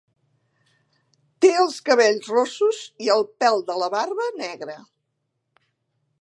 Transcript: Té els cabells rossos i el pèl de la barba negre.